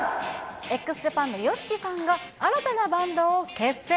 ＸＪＡＰＡＮのＹＯＳＨＩＫＩさんが、新たなバンドを結成。